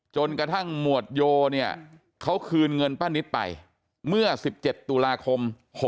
จนกระทั่งหมวดโยเนี่ยเขาคืนเงินป้านิตไปเมื่อ๑๗ตุลาคม๖๖